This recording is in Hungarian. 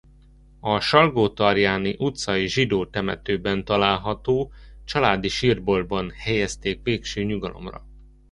A Salgótarjáni Utcai Zsidó Temetőben található családi sírboltban helyezték végső nyugalomra.